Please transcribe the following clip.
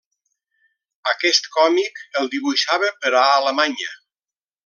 Aquest còmic el dibuixava per a Alemanya.